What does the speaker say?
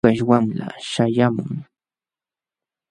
Pukaśh wamla śhayaamun.